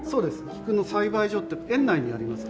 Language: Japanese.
菊の栽培所って園内にあります。